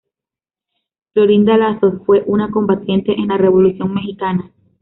Florinda Lazos fue una combatiente en la Revolución Mexicana.